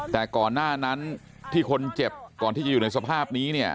แต่ก่อนหน้านั้นที่คนเจ็บก่อนที่จะอยู่ในสภาพนี้เนี่ย